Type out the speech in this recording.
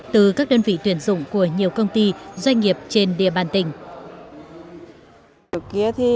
từ các đơn vị tuyển dụng của nhiều công ty doanh nghiệp trên địa bàn tỉnh